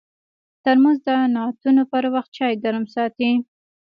ترموز د نعتونو پر وخت چای ګرم ساتي.